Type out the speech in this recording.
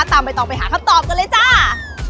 ตามไปต่อไปหาคำตอบกันเลยจ้า